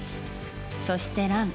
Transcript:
そして、ラン。